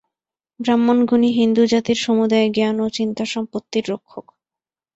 ব্রাহ্মণগণই হিন্দুজাতির সমুদয় জ্ঞান ও চিন্তা-সম্পত্তির রক্ষক।